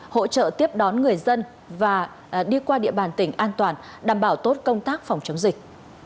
hỗ trợ tiếp đón người dân và đi qua địa bàn tỉnh an toàn đảm bảo tốt công tác phòng chống dịch